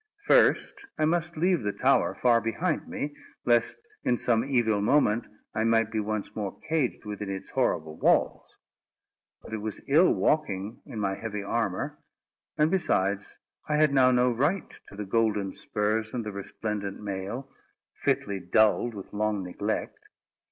First, I must leave the tower far behind me, lest, in some evil moment, I might be once more caged within its horrible walls. But it was ill walking in my heavy armour; and besides I had now no right to the golden spurs and the resplendent mail, fitly dulled with long neglect.